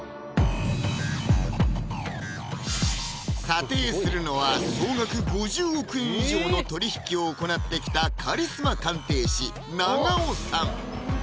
査定するのは総額５０億円以上の取り引きを行ってきたカリスマ鑑定士・長尾さん